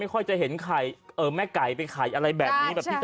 ค่อยจะเห็นไข่แม่ไก่เป็นไข่อะไรแบบนี้